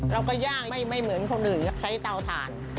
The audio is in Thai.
เราก็ย่างไม่เหมือนคนอื่นใช้เตาถ่าน